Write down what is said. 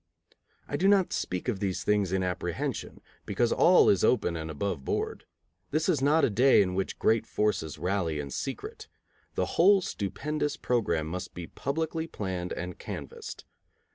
I do not speak of these things in apprehension, because all is open and above board. This is not a day in which great forces rally in secret. The whole stupendous program must be publicly planned and canvassed.